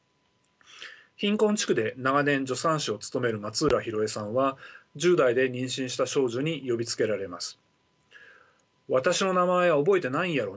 貧困地区で長年助産師をつとめる松浦洋栄さんは１０代で妊娠した少女に呼びつけられます。